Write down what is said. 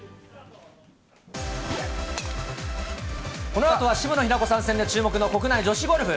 このあとは、渋野日向子参戦で注目の国内女子ゴルフ。